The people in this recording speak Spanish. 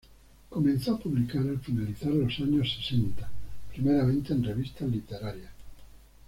Comenzó a publicar al finalizar los años sesenta, primeramente en revistas literarias.